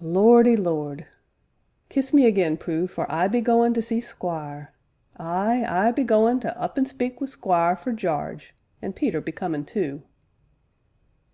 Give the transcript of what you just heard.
Lordy Lord! Kiss me again, Prue, for I be goin' to see Squire ay, I be goin' to up an' speak wi' Squire for Jarge an' Peter be comin' too."